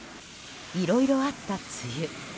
いろいろあった梅雨。